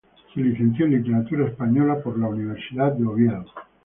Se licenció en literatura española en la Universidad de Oviedo.